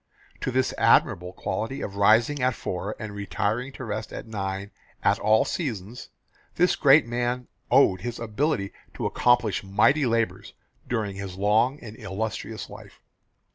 To this admirable quality of rising at four and retiring to rest at nine at all seasons, this great man owed his ability to accomplish mighty labours during his long and illustrious life.